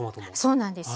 そうなんですよ。